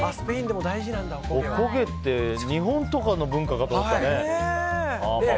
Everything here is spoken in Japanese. おこげって日本とかの文化かと思ったね。